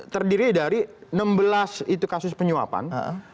terdiri dari enam belas itu kasus penyuapan